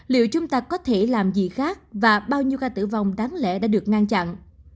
liệu chúng ta có thể làm gì khác và bao nhiêu ca tử vong đáng lẽ đã được ngăn chặn